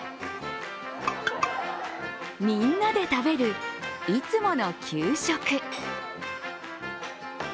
みんなで食べるいつもの給食。